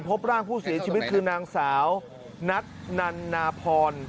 พบร่างผู้เสียชีวิตคือนางสาวนัทนันนาพร